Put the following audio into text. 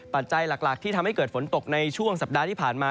ปัจจัยหลักที่ทำให้เกิดฝนตกในช่วงสัปดาห์ที่ผ่านมา